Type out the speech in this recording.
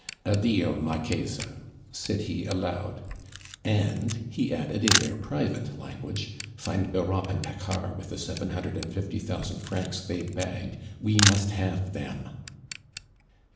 "Addio, Marchesa," said he aloud. "And," he added in their private language, "find Europe and Paccard with the seven hundred and fifty thousand francs they bagged. We must have them."